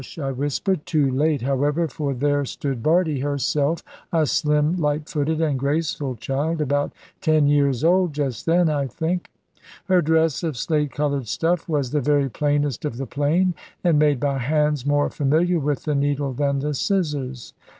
I whispered; too late, however, for there stood Bardie herself, a slim, light footed, and graceful child, about ten years old just then, I think. Her dress of slate coloured stuff was the very plainest of the plain, and made by hands more familiar with the needle than the scissors.